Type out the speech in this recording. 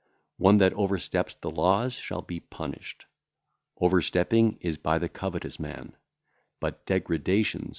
One that oversteppeth the laws shall be punished. Overstepping is by the covetous man; but degradations